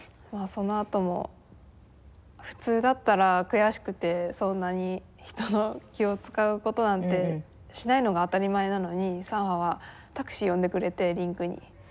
そのあとも普通だったら悔しくてそんなに人の気を遣うことなんてしないのが当たり前なのにサンファはタクシー呼んでくれてリンクに。